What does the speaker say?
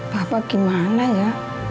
bapak gimana ya